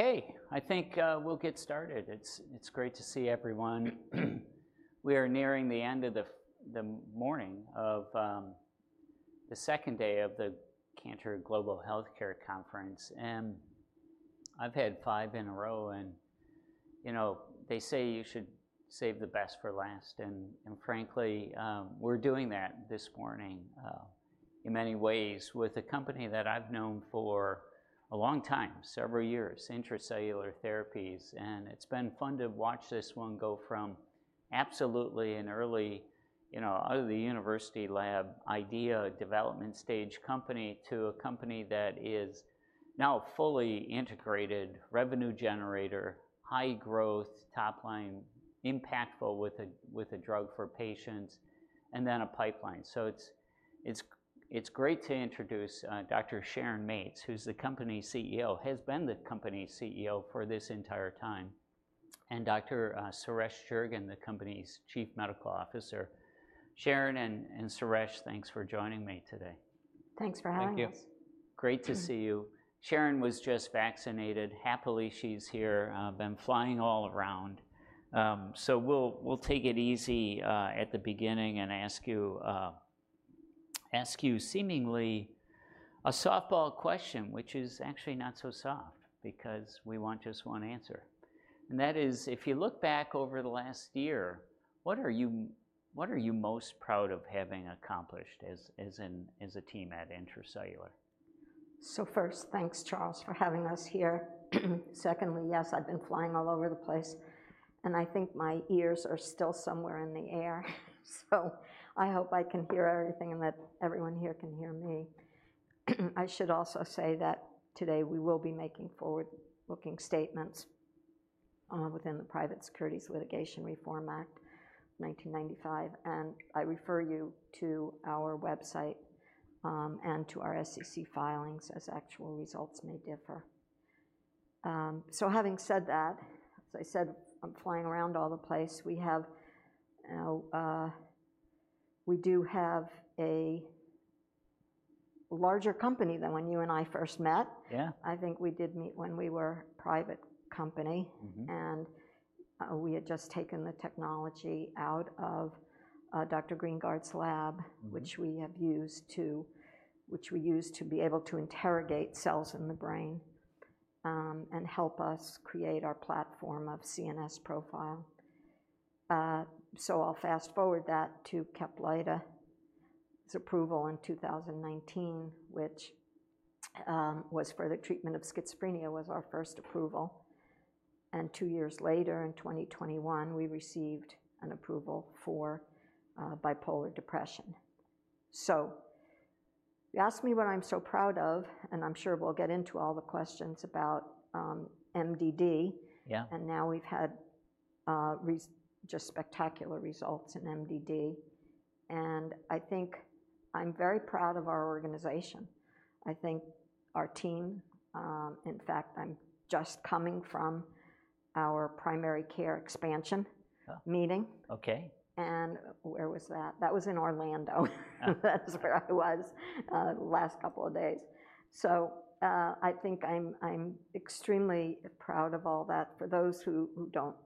Okay, I think we'll get started. It's great to see everyone. We are nearing the end of the morning of the second day of the Cantor Global Healthcare Conference, and I've had five in a row, and you know, they say you should save the best for last. And frankly, we're doing that this morning in many ways with a company that I've known for a long time, several years, Intra-Cellular Therapies. And it's been fun to watch this one go from absolutely an early, you know, out of the university lab idea development stage company to a company that is now a fully integrated revenue generator, high growth, top line, impactful with a drug for patients, and then a pipeline. So it's great to introduce, Dr. Sharon Mates, who's the company's CEO, has been the company's CEO for this entire time, and Dr. Suresh Durgam, the company's Chief Medical Officer. Sharon and Suresh, thanks for joining me today. Thanks for having us. Thank you. Great to see you. Sharon was just vaccinated. Happily, she's here. Been flying all around. So we'll take it easy at the beginning and ask you seemingly a softball question, which is actually not so soft, because we want just one answer, and that is, if you look back over the last year, what are you most proud of having accomplished as a team at Intra-Cellular? So first, thanks, Charles, for having us here. Secondly, yes, I've been flying all over the place, and I think my ears are still somewhere in the air. So I hope I can hear everything and that everyone here can hear me. I should also say that today we will be making forward-looking statements within the Private Securities Litigation Reform Act of nineteen ninety-five, and I refer you to our website and to our SEC filings, as actual results may differ. So having said that, as I said, I'm flying all over the place. We have, you know, we do have a larger company than when you and I first met. Yeah. I think we did meet when we were a private company. Mm-hmm... and, we had just taken the technology out of, Dr. Greengard's lab- Mm... which we use to be able to interrogate cells in the brain, and help us create our platform of CNS profile. So I'll fast-forward that to Caplyta's approval in two thousand nineteen, which was for the treatment of schizophrenia, was our first approval, and two years later, in twenty twenty-one, we received an approval for bipolar depression. So you asked me what I'm so proud of, and I'm sure we'll get into all the questions about MDD. Yeah. And now we've had just spectacular results in MDD, and I think I'm very proud of our organization. I think our team. In fact, I'm just coming from our primary care expansion- Yeah... meeting. Okay. Where was that? That was in Orlando. Yeah. That's where I was, the last couple of days. So, I think I'm extremely proud of all that. For those who don't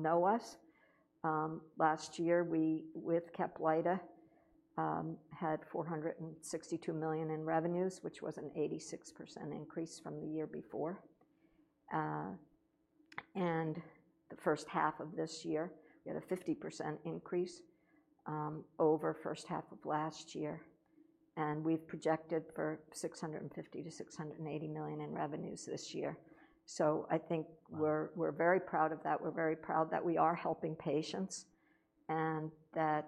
know us, last year, we, with Caplyta, had $462 million in revenues, which was an 86% increase from the year before. And the first half of this year, we had a 50% increase, over first half of last year, and we've projected for $650 million-$680 million in revenues this year. So I think- Wow... we're very proud of that. We're very proud that we are helping patients and that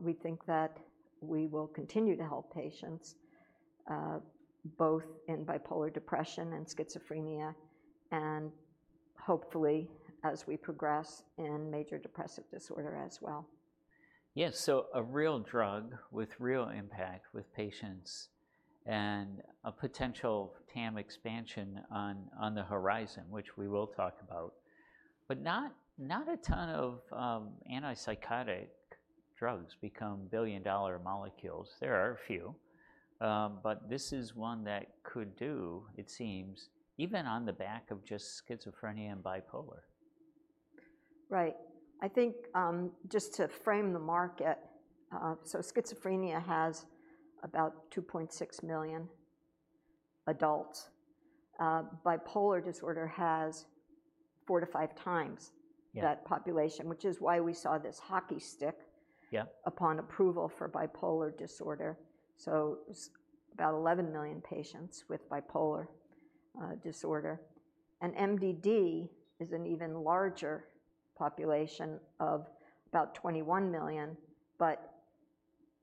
we think that we will continue to help patients both in bipolar depression and schizophrenia and hopefully, as we progress, in major depressive disorder as well. Yeah, so a real drug with real impact with patients and a potential TAM expansion on the horizon, which we will talk about. But not a ton of antipsychotic drugs become billion-dollar molecules. There are a few, but this is one that could do, it seems, even on the back of just schizophrenia and bipolar. Right. I think, just to frame the market, so schizophrenia has about 2.6 million adults. Bipolar disorder has four to five times- Yeah... that population, which is why we saw this hockey stick- Yeah... upon approval for bipolar disorder. So it's about eleven million patients with bipolar disorder, and MDD is an even larger population of about twenty-one million, but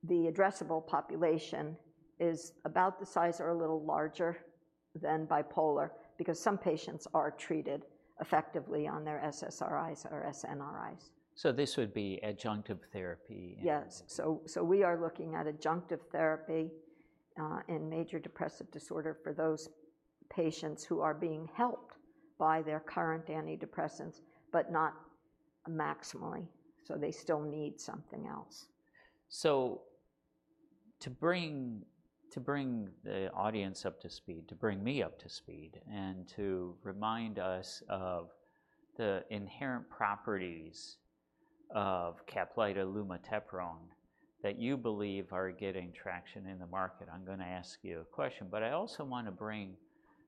the addressable population is about the size or a little larger than bipolar because some patients are treated effectively on their SSRIs or SNRIs. So this would be adjunctive therapy and- Yes. So, so we are looking at adjunctive therapy in major depressive disorder for those patients who are being helped by their current antidepressants, but not maximally, so they still need something else. To bring the audience up to speed, to bring me up to speed, and to remind us of the inherent properties of Caplyta (lumateperone) that you believe are getting traction in the market, I'm gonna ask you a question. But I also wanna bring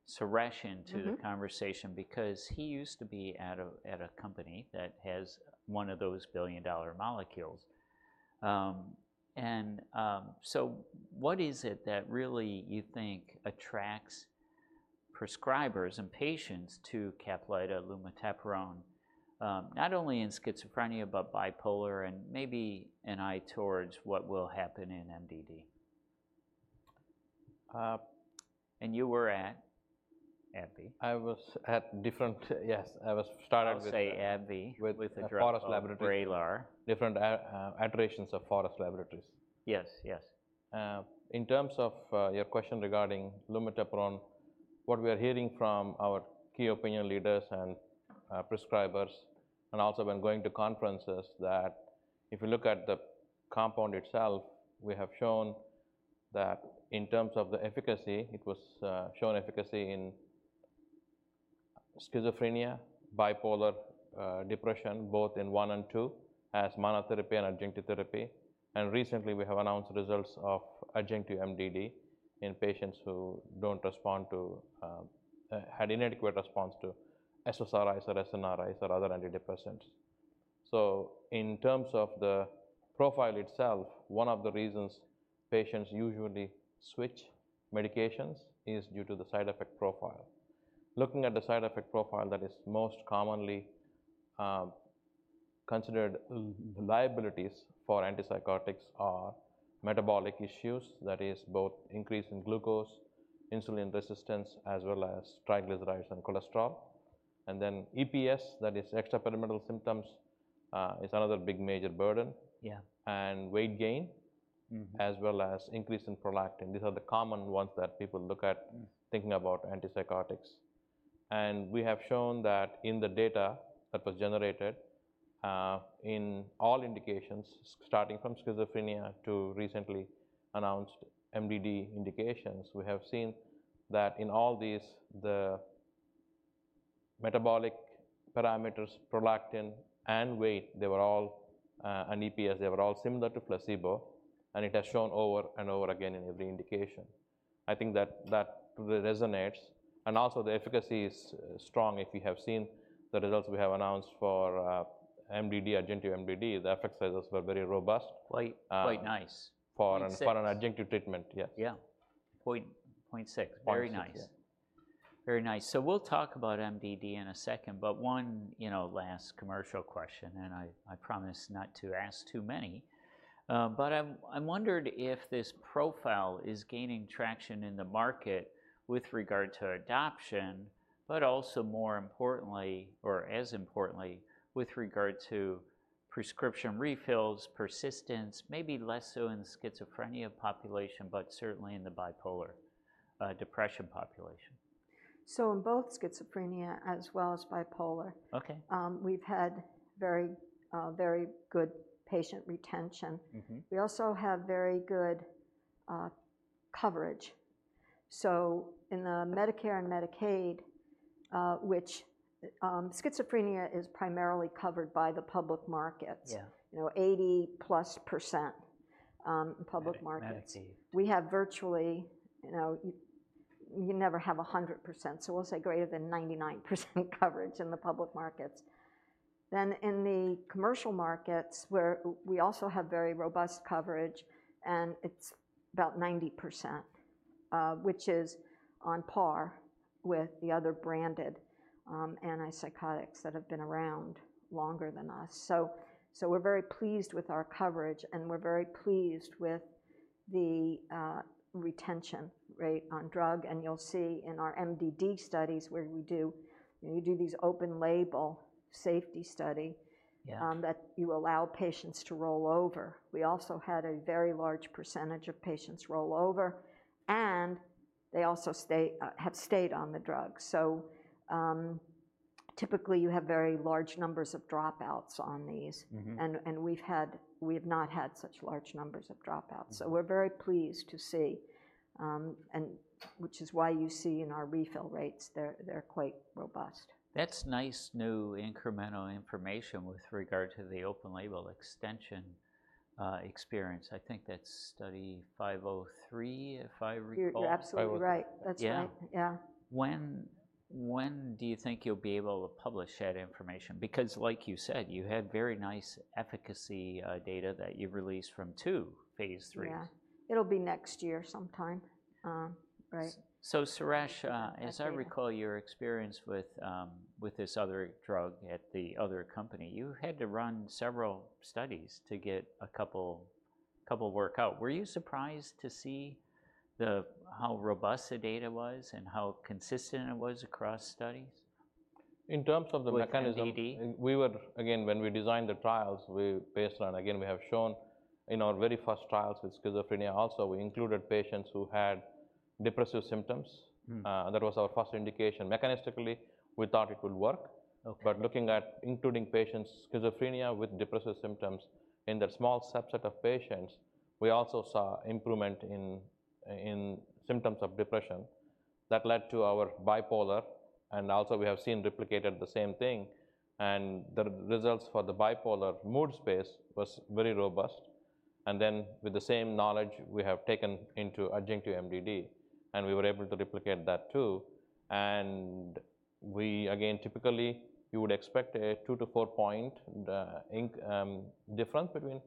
Suresh into the- Mm-hmm... conversation because he used to be at a company that has one of those billion-dollar molecules, and so what is it that really you think attracts prescribers and patients to Caplyta lumateperone, not only in schizophrenia, but bipolar and maybe an eye towards what will happen in MDD? And you were at AbbVie. Yes, I was started with. I'll say AbbVie. With Forest Laboratories. With the drug Vraylar. Different iterations of Forest Laboratories. Yes, yes. In terms of your question regarding lumateperone, what we are hearing from our key opinion leaders and prescribers, and also when going to conferences, that if you look at the compound itself, we have shown that in terms of the efficacy, it was shown efficacy in schizophrenia, bipolar depression, both in one and two, as monotherapy and adjunctive therapy. And recently we have announced results of adjunctive MDD in patients who don't respond to had inadequate response to SSRIs or SNRIs or other antidepressants. So in terms of the profile itself, one of the reasons patients usually switch medications is due to the side effect profile. Looking at the side effect profile that is most commonly considered liabilities for antipsychotics are metabolic issues, that is both increase in glucose, insulin resistance, as well as triglycerides and cholesterol. And then EPS, that is extrapyramidal symptoms, is another big major burden. Yeah. And weight gain- Mm... as well as increase in prolactin. These are the common ones that people look at- Mm... thinking about antipsychotics. And we have shown that in the data that was generated, in all indications, starting from schizophrenia to recently announced MDD indications, we have seen that in all these, the metabolic parameters, prolactin, and weight, they were all, and EPS, they were all similar to placebo, and it has shown over and over again in every indication. I think that that resonates, and also the efficacy is strong. If you have seen the results we have announced for MDD, adjunctive MDD, the effect sizes were very robust. Quite, quite nice. Um- Point six. For an adjunctive treatment, yes. Yeah. Point, point six. Point six, yeah. Very nice. Very nice. So we'll talk about MDD in a second, but one, you know, last commercial question, and I promise not to ask too many. But I wondered if this profile is gaining traction in the market with regard to adoption, but also more importantly, or as importantly, with regard to prescription refills, persistence, maybe less so in the schizophrenia population, but certainly in the bipolar depression population. In both schizophrenia as well as bipolar- Okay... we've had very good patient retention. Mm-hmm. We also have very good coverage. So in the Medicare and Medicaid, which schizophrenia is primarily covered by the public markets- Yeah... you know, 80-plus% in public markets. Medi- Medicaid. We have virtually, you know, you never have 100%, so we'll say greater than 99% coverage in the public markets. Then in the commercial markets, where we also have very robust coverage, and it's about 90%, which is on par with the other branded antipsychotics that have been around longer than us. So we're very pleased with our coverage, and we're very pleased with the retention rate on drug, and you'll see in our MDD studies, where we do, you know, you do these open label safety study- Yeah... that you allow patients to roll over. We also had a very large percentage of patients roll over, and they also stay, have stayed on the drug. So, typically, you have very large numbers of dropouts on these. Mm-hmm. We've not had such large numbers of dropouts. Mm-hmm. So we're very pleased to see, and which is why you see in our refill rates, they're quite robust. That's nice, new incremental information with regard to the open label extension, experience. I think that's Study 503, if I recall- You're absolutely right. Yeah. That's right. Yeah. When do you think you'll be able to publish that information? Because like you said, you have very nice efficacy data that you've released from two Phase IIIs. Yeah. It'll be next year sometime. Right. So Suresh, Yeah... as I recall, your experience with this other drug at the other company, you had to run several studies to get a couple work out. Were you surprised to see how robust the data was and how consistent it was across studies? In terms of the mechanism- With MDD? Again, when we designed the trials, we based on, again, we have shown in our very first trials with schizophrenia also, we included patients who had depressive symptoms. Mm-hmm. That was our first indication. Mechanistically, we thought it could work. Okay. But looking at including patients, schizophrenia with depressive symptoms, in that small subset of patients, we also saw improvement in symptoms of depression. That led to our bipolar, and also we have seen replicated the same thing, and the results for the bipolar mood space was very robust. And then, with the same knowledge, we have taken into adjunctive MDD, and we were able to replicate that, too. And we, again, typically, you would expect a two- to four-point difference between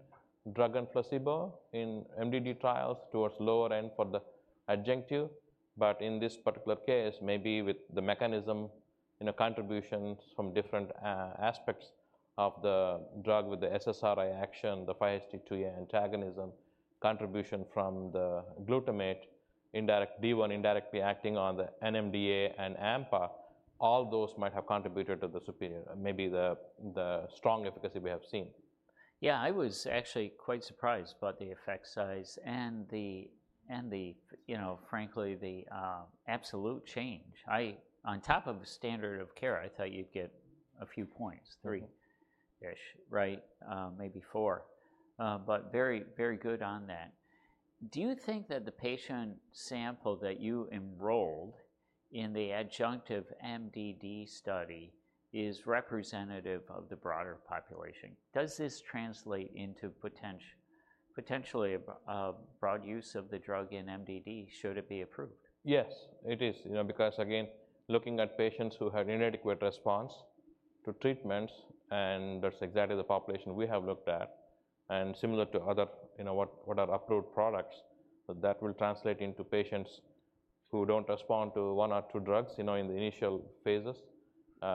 drug and placebo in MDD trials toward the lower end for the adjunctive. But in this particular case, maybe with the mechanism, you know, contributions from different aspects of the drug with the SSRI action, the 5-HT2A antagonism, contribution from the glutamate, indirect D1 indirectly acting on the NMDA and AMPA, all those might have contributed to the superior, maybe the strong efficacy we have seen. Yeah, I was actually quite surprised by the effect size and the, you know, frankly, the absolute change. I... On top of standard of care, I thought you'd get a few points- Mm-hmm... three-ish, right? Maybe four. But very, very good on that. Do you think that the patient sample that you enrolled in the adjunctive MDD study is representative of the broader population? Does this translate into potentially a broad use of the drug in MDD, should it be approved? Yes, it is. You know, because, again, looking at patients who had inadequate response to treatments, and that's exactly the population we have looked at, and similar to other, you know, what are approved products, that that will translate into patients who don't respond to one or two drugs, you know, in the initial phases.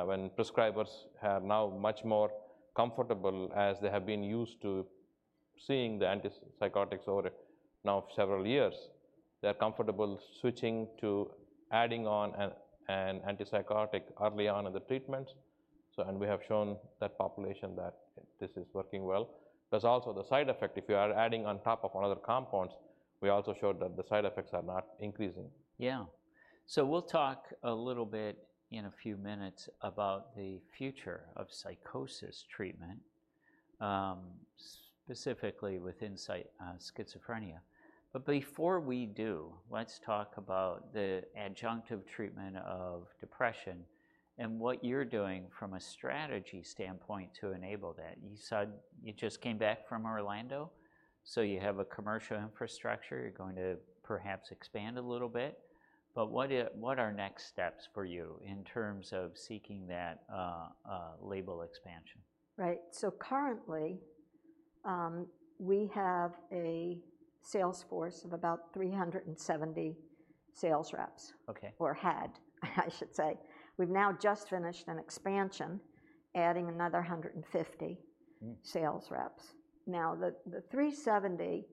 When prescribers are now much more comfortable, as they have been used to seeing the antipsychotics over now several years, they're comfortable switching to adding on an antipsychotic early on in the treatment. So, and we have shown that population that this is working well. There's also the side effect. If you are adding on top of another compounds, we also showed that the side effects are not increasing. Yeah. So we'll talk a little bit in a few minutes about the future of psychosis treatment, specifically with insight, schizophrenia. But before we do, let's talk about the adjunctive treatment of depression and what you're doing from a strategy standpoint to enable that. You said you just came back from Orlando, so you have a commercial infrastructure. You're going to perhaps expand a little bit. But what are next steps for you in terms of seeking that label expansion? Right, so currently, we have a sales force of about 370 sales reps. Okay. Or had, I should say. We've now just finished an expansion, adding another hundred and fifty- Mm... sales reps. Now, the 370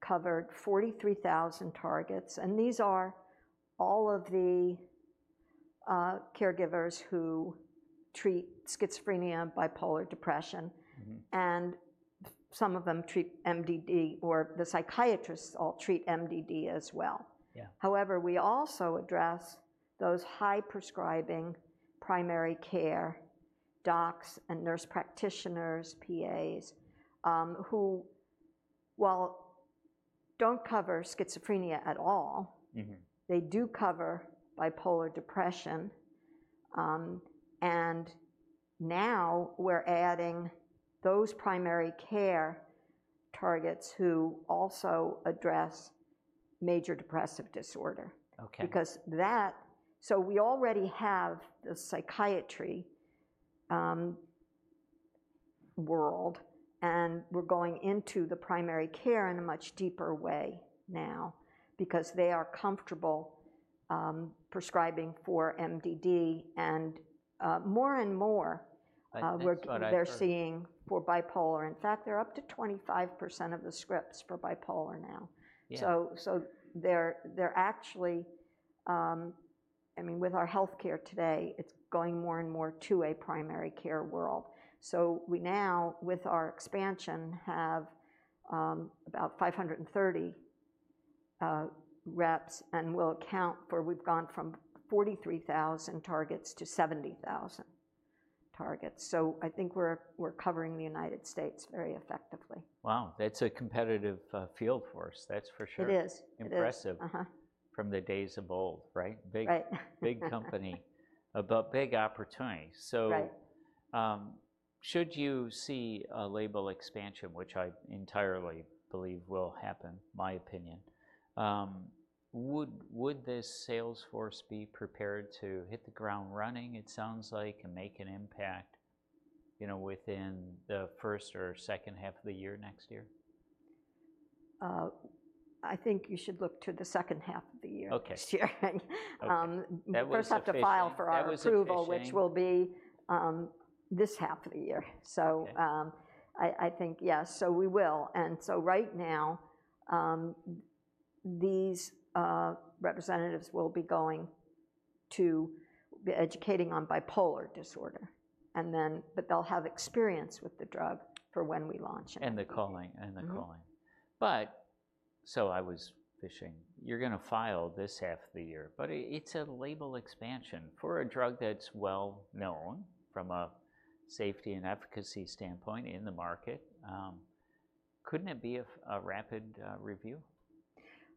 covered 43,000 targets, and these are all of the caregivers who treat schizophrenia, bipolar depression. Mm-hmm. Some of them treat MDD, or the psychiatrists all treat MDD as well. Yeah. However, we also address those high-prescribing primary care docs and nurse practitioners, PAs, who, while don't cover schizophrenia at all- Mm-hmm... they do cover bipolar depression, and now we're adding those primary care targets who also address major depressive disorder. Okay. So we already have the psychiatry world, and we're going into the primary care in a much deeper way now because they are comfortable prescribing for MDD, and more and more. That's what I heard.... they're seeing for bipolar. In fact, they're up to 25% of the scripts for bipolar now. Yeah. I mean, with our healthcare today, it's going more and more to a primary care world. So we now, with our expansion, have about 530 reps, and we'll account for we've gone from 43,000 targets to 70,000 targets. So I think we're covering the United States very effectively. Wow, that's a competitive field force, that's for sure. It is. It is. Impressive. Uh-huh. From the days of old, right? Right. Big, big company, but big opportunity. Right. So, should you see a label expansion, which I entirely believe will happen, my opinion, would this sales force be prepared to hit the ground running, it sounds like, and make an impact, you know, within the first or second half of the year next year? I think you should look to the second half of the year- Okay... next year. Okay. Um- That was sufficient. We first have to file for our approval- That was sufficient.... which will be this half of the year. Okay. I think yes, so we will. And so right now, these representatives will be going to be educating on bipolar disorder, and then, but they'll have experience with the drug for when we launch it. And the calling. Mm-hmm. But, so I was fishing. You're gonna file this half of the year, but it's a label expansion for a drug that's well-known from a safety and efficacy standpoint in the market. Couldn't it be a rapid review?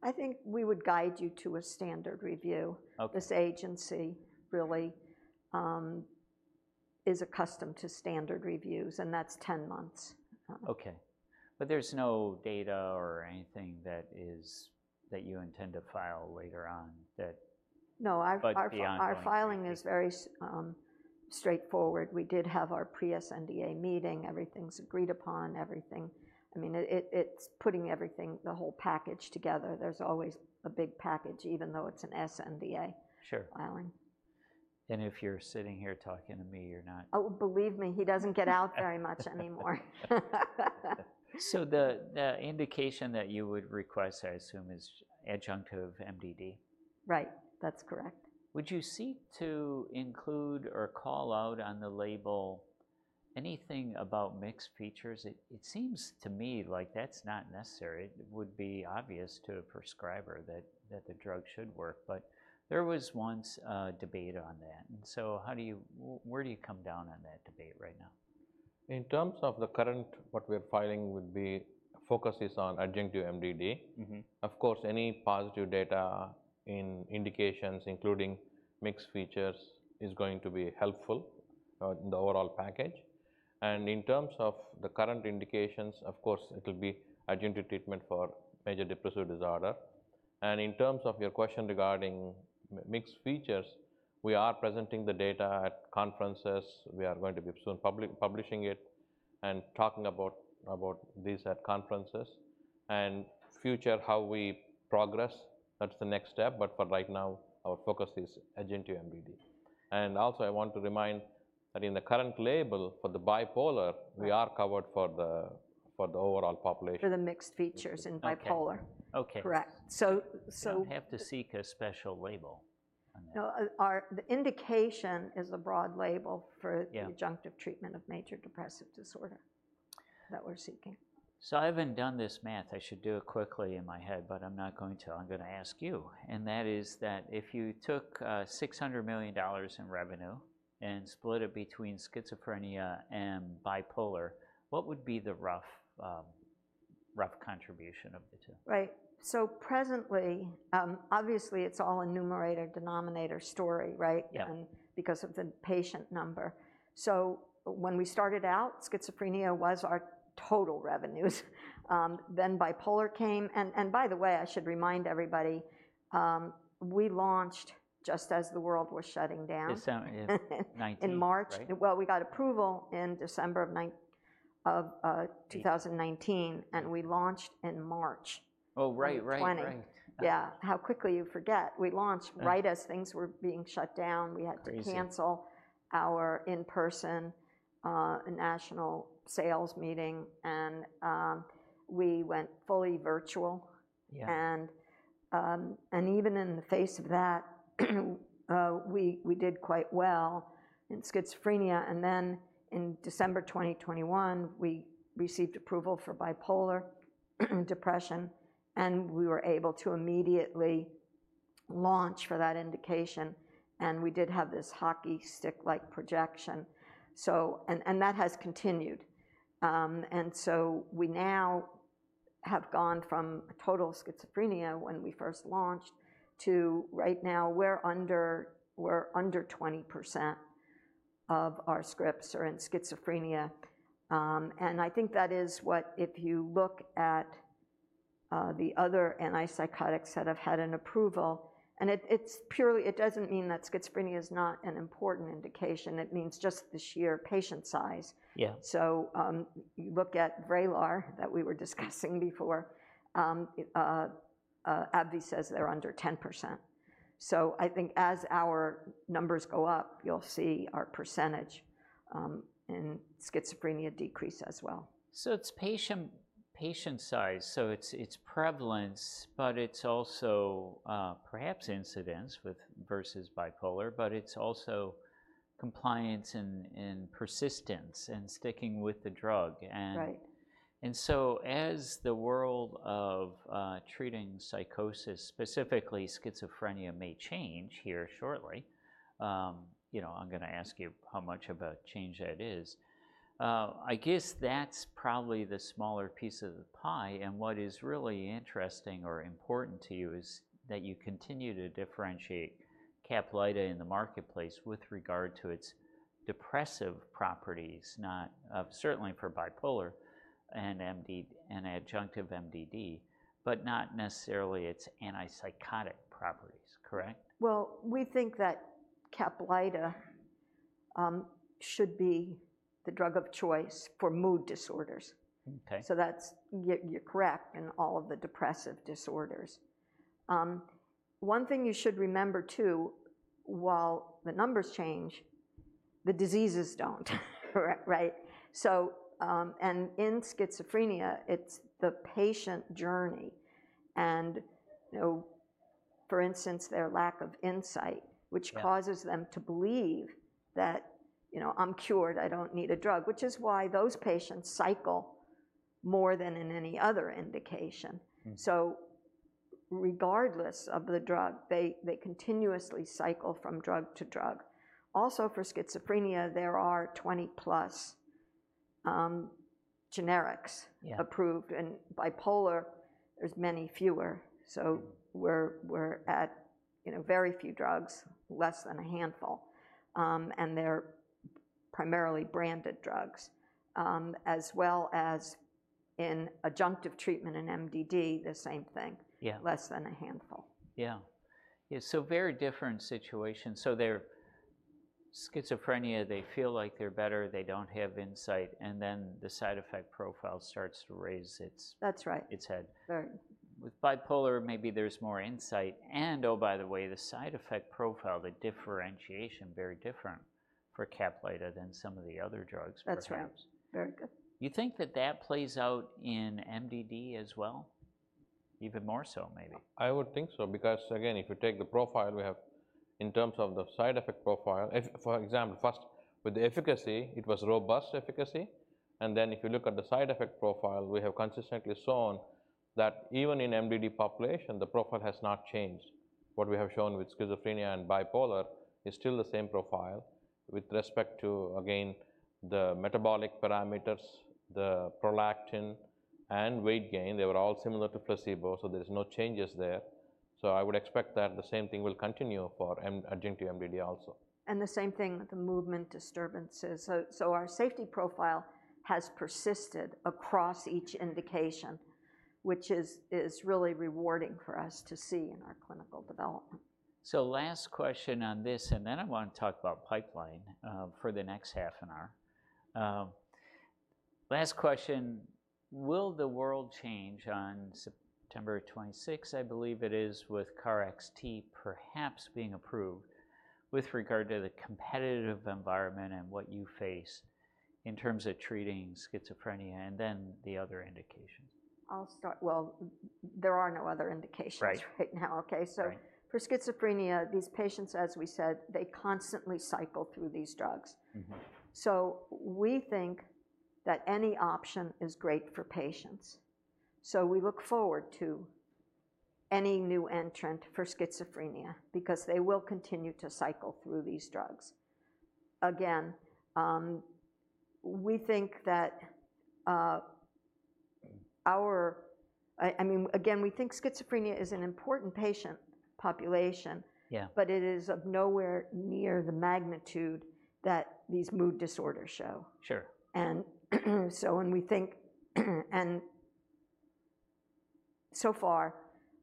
I think we would guide you to a standard review. Okay. This agency really is accustomed to standard reviews, and that's 10 months. Okay. But there's no data or anything that you intend to file later on that- No, our- But beyond what-... our filing is very straightforward. We did have our pre-SNDA meeting. Everything's agreed upon, everything... I mean, it's putting everything, the whole package together. There's always a big package, even though it's an SNDA- Sure... filing. And if you're sitting here talking to me, you're not- Oh, believe me, he doesn't get out very much anymore. So the indication that you would request, I assume, is adjunctive MDD? Right. That's correct. Would you seek to include or call out on the label anything about mixed features? It seems to me like that's not necessary. It would be obvious to a prescriber that the drug should work, but there was once a debate on that, and so how do you... where do you come down on that debate right now? In terms of the current, what we're filing would be, focus is on adjunctive MDD. Mm-hmm. Of course, any positive data in indications, including mixed features, is going to be helpful in the overall package. And in terms of the current indications, of course, it'll be adjunctive treatment for major depressive disorder. And in terms of your question regarding mixed features, we are presenting the data at conferences. We are going to be soon publishing it and talking about this at conferences. And future, how we progress, that's the next step, but for right now, our focus is adjunctive MDD. And also, I want to remind that in the current label for the bipolar- Right... we are covered for the overall population. For the mixed features in bipolar. Okay. Correct. You don't have to seek a special label on that? No, our... The indication is a broad label for- Yeah... adjunctive treatment of major depressive disorder that we're seeking. So I haven't done this math. I should do it quickly in my head, but I'm not going to. I'm gonna ask you, and that is that if you took $600 million in revenue and split it between schizophrenia and bipolar, what would be the rough contribution of the two? Right. So presently, obviously, it's all a numerator-denominator story, right? Yeah. Because of the patient number. So when we started out, schizophrenia was our total revenues. Then bipolar came... And, and by the way, I should remind everybody, we launched just as the world was shutting down. December, yeah. 2019, right? In March. Well, we got approval in December of twenty nineteen, and we launched in March- Oh, right, right.... of 2020. Right. Yeah. How quickly you forget. We launched- Yeah... right as things were being shut down. Crazy. We had to cancel our in-person national sales meeting, and we went fully virtual. Yeah. Even in the face of that, we did quite well in schizophrenia, and then in December 2021, we received approval for bipolar depression, and we were able to immediately launch for that indication, and we did have this hockey stick-like projection. That has continued. We now have gone from total schizophrenia when we first launched to right now. We're under 20% of our scripts are in schizophrenia. I think that is what, if you look at, the other antipsychotics that have had an approval. It is purely. It doesn't mean that schizophrenia is not an important indication. It means just the sheer patient size. Yeah. So, you look at Vraylar, that we were discussing before. AbbVie says they're under 10%. So I think as our numbers go up, you'll see our percentage in schizophrenia decrease as well. It's patient size, so it's prevalence, but it's also perhaps incidence with versus bipolar, but it's also compliance and persistence and sticking with the drug, and- Right... and so as the world of, treating psychosis, specifically schizophrenia, may change here shortly, you know, I'm gonna ask you how much of a change that is. I guess that's probably the smaller piece of the pie, and what is really interesting or important to you is that you continue to differentiate Caplyta in the marketplace with regard to its depressive properties, not, certainly for bipolar and MDD and adjunctive MDD, but not necessarily its antipsychotic properties, correct? We think that Caplyta should be the drug of choice for mood disorders. Okay. So, you're correct in all of the depressive disorders. One thing you should remember, too, while the numbers change, the diseases don't. Correct, right? So, and in schizophrenia, it's the patient journey, and, you know, for instance, their lack of insight. Yeah... which causes them to believe that, you know, "I'm cured. I don't need a drug," which is why those patients cycle more than in any other indication. Mm. So regardless of the drug, they continuously cycle from drug to drug. Also, for schizophrenia, there are 20-plus generics- Yeah... approved, and bipolar, there's many fewer. So we're at, you know, very few drugs, less than a handful. And they're primarily branded drugs. As well as in adjunctive treatment in MDD, the same thing. Yeah. Less than a handful. Yeah. Yeah, so very different situations. So they're... Schizophrenia, they feel like they're better. They don't have insight, and then the side effect profile starts to raise its- That's right... its head. Very. With bipolar, maybe there's more insight, and, oh, by the way, the side effect profile, the differentiation, very different for Caplyta than some of the other drugs, perhaps. That's right. Very good. You think that that plays out in MDD as well? Even more so maybe. I would think so because again, if you take the profile we have, in terms of the side effect profile, for example, first, with the efficacy, it was robust efficacy. And then if you look at the side effect profile, we have consistently shown that even in MDD population, the profile has not changed. What we have shown with schizophrenia and bipolar is still the same profile with respect to, again, the metabolic parameters, the prolactin, and weight gain. They were all similar to placebo, so there's no changes there. So I would expect that the same thing will continue for adjunctive MDD also. The same thing with the movement disturbances. So our safety profile has persisted across each indication, which is really rewarding for us to see in our clinical development. So last question on this, and then I want to talk about pipeline for the next half an hour. Last question: Will the world change on September 26, I believe it is, with KarXT perhaps being approved, with regard to the competitive environment and what you face in terms of treating schizophrenia, and then the other indications? There are no other indications- Right... right now, okay? Right. So for schizophrenia, these patients, as we said, they constantly cycle through these drugs. Mm-hmm. So we think that any option is great for patients, so we look forward to any new entrant for schizophrenia because they will continue to cycle through these drugs. Again, we think that, I mean, again, we think schizophrenia is an important patient population- Yeah... but it is of nowhere near the magnitude that these mood disorders show. Sure. And so far,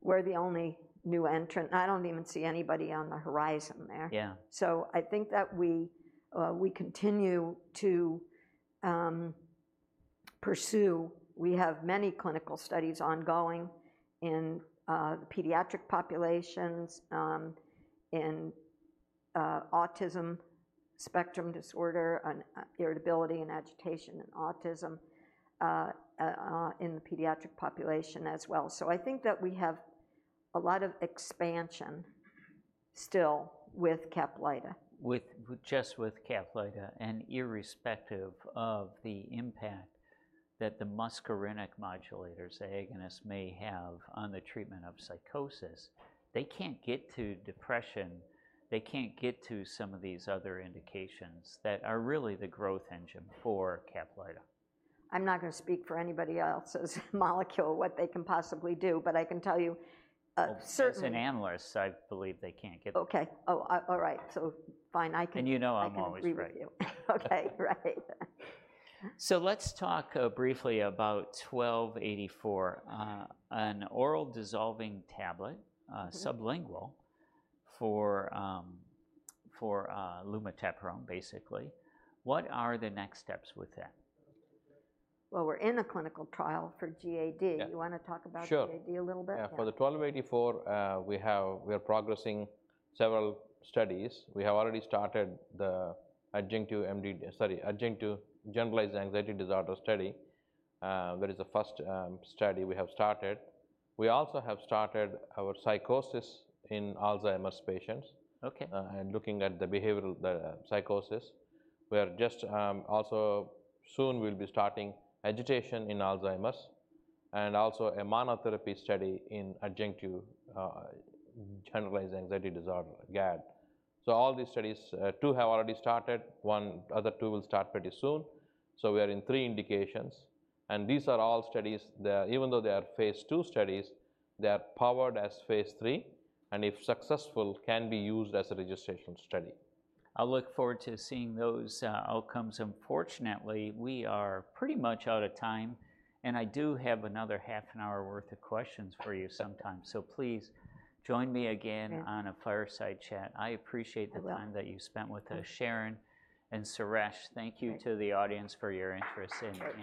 we're the only new entrant, and I don't even see anybody on the horizon there. Yeah. I think that we continue to pursue. We have many clinical studies ongoing in pediatric populations, in autism spectrum disorder, and irritability and agitation in autism, in the pediatric population as well. I think that we have a lot of expansion still with Caplyta. With just Caplyta, and irrespective of the impact that the muscarinic modulators, the agonists, may have on the treatment of psychosis, they can't get to depression. They can't get to some of these other indications that are really the growth engine for Caplyta. I'm not gonna speak for anybody else's molecule, what they can possibly do, but I can tell you, certain- As an analyst, I believe they can't get there. Okay. Oh, all right. So fine, I can- You know I'm always right. I can agree with you. Okay. Right. So let's talk briefly about 1284, an oral dissolving tablet. Mm-hmm... sublingual for lumateperone, basically. What are the next steps with that? We're in a clinical trial for GAD. Yeah. You wanna talk about GAD a little bit? Sure. Yeah, for the 1284, we are progressing several studies. We have already started the adjunctive generalized anxiety disorder study. That is the first study we have started. We also have started our psychosis in Alzheimer's patients- Okay... and looking at the behavioral psychosis. We are just. Also, soon we'll be starting agitation in Alzheimer's and also a monotherapy study in adjunctive generalized anxiety disorder, GAD. So all these studies, two have already started. One, other two will start pretty soon. So we are in three indications, and these are all studies that even though they are Phase II studies, they are powered as Phase III, and if successful, can be used as a registration study. I look forward to seeing those outcomes. Unfortunately, we are pretty much out of time, and I do have another half an hour worth of questions for you sometime. So please join me again. Sure... on a Fireside Chat. I appreciate the- I will... time that you've spent with us. Thank you. Sharon and Suresh- Thank you… Thank you to the audience for your interest in this.